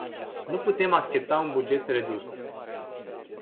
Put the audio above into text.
Nu putem accepta un buget redus.